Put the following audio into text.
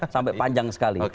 sampai panjang sekali